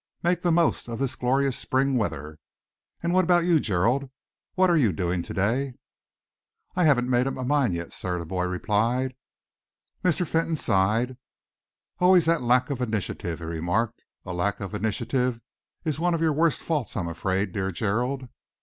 "Make the most of this glorious spring weather. And what about you, Gerald? What are you doing to day?" "I haven't made up my mind yet, sir," the boy replied. Mr. Fentolin sighed. "Always that lack of initiative," he remarked. "A lack of initiative is one of your worst faults, I am afraid, dear Gerald."